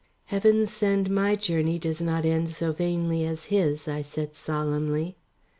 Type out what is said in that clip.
"Heaven send my journey does not end so vainly as his," I said solemnly.